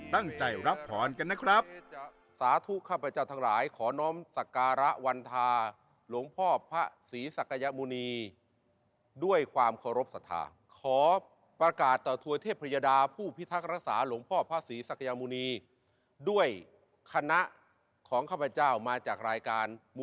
ที่ฟังตั้งใจรับผ่อนกันนะครับ